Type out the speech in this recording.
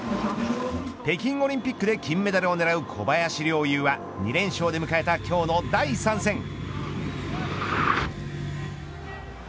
北京オリンピックで金メダルを狙う小林陵侑は２連勝で迎えた今日の第３戦。